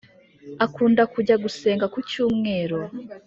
akunda kujya gusenga kucyumweru